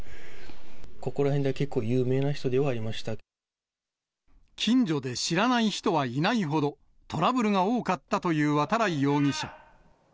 ここら辺では結構有名な人で近所で知らない人はいないほど、トラブルが多かったという渡来容疑者。